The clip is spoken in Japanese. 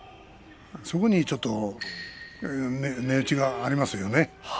そこにちょっと値打ちがありますよね